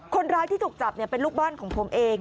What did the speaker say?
คนร้ายที่ถูกจับเป็นลูกบ้านของผมเอง